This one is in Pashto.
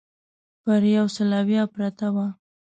پر یو سل اویا پرته وه.